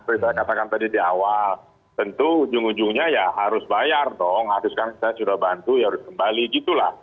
seperti saya katakan tadi di awal tentu ujung ujungnya ya harus bayar dong harus kan saya sudah bantu ya harus kembali gitu lah